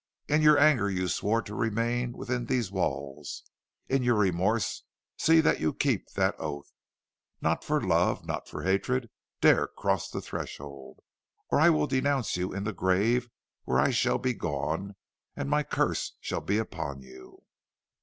In your anger you swore to remain within these walls; in your remorse see that you keep that oath. Not for love, not for hatred, dare to cross the threshold, or I will denounce you in the grave where I shall be gone, and my curse shall be upon you.'